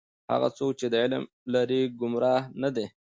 هغه څوک چې علم لري گمراه نه دی.